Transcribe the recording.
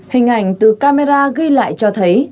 hình ảnh từ camera ghi lại cho thấy